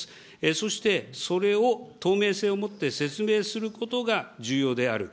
そして、それを透明性を持って説明することが重要である。